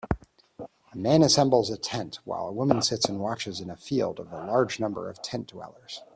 A man assembles a tent while a woman sits and watches in a field of a large number of tent dwellers